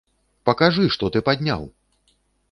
Пакажы, што ты падняў!